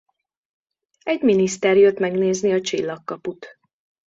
Egy miniszter jött megnézni a csillagkaput.